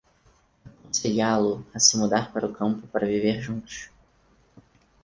Aconselhá-lo a se mudar para o campo para viver juntos